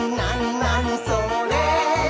なにそれ？」